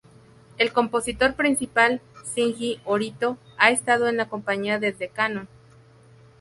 El compositor principal, Shinji Orito, ha estado en la compañía desde "Kanon".